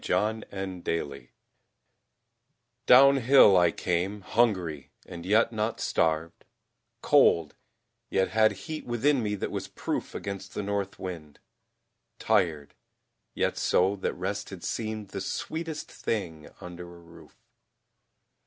THE OWL DOWNHILL I came, hungry, and yet not starved; Cold, yet had heat within me that was proof Against the North wind; tired, yet so that rest Had seemed the sweetest thing under a roof.